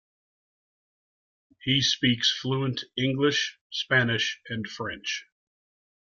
He speaks fluent English, Spanish and French.